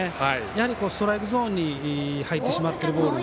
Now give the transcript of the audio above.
やはりストライクゾーンに入ってしまうというボール。